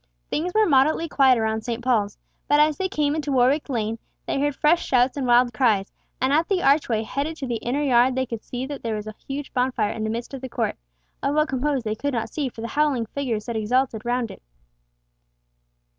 Things were moderately quiet around St. Paul's, but as they came into Warwick Lane they heard fresh shouts and wild cries, and at the archway heading to the inner yard they could see that there was a huge bonfire in the midst of the court—of what composed they could not see for the howling figures that exulted round it.